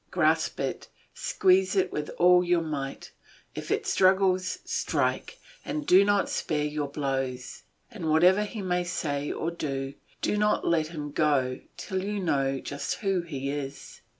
Grasp it, squeeze it with all your might; if it struggles, strike, and do not spare your blows; and whatever he may say or do, do not let him go till you know just who he is.